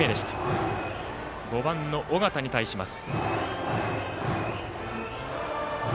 ５番の尾形に対します。